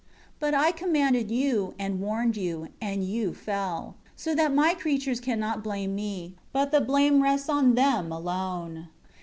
19 But I commanded you, and warned you, and you fell. So that My creatures cannot blame Me; but the blame rests on them alone.